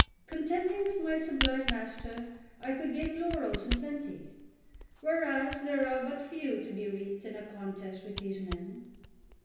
Contending with my sublime master, I could gain laurels in plenty, whereas there are but few to be reaped in a contest with these men."